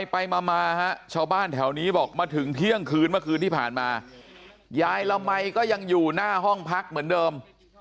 ไปมาชาวบ้านแถวนี้บอกมาถึงเที่ยงคืนเมื่อคืนที่ผ่านมายายละมัยก็ยังอยู่หน้าห้องพักเหมือนเดิม